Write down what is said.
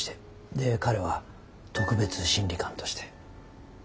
で彼は特別審理官として。